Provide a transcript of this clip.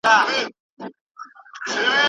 دلته، سینه کې دی، د زړه غوندې درزیږي وطن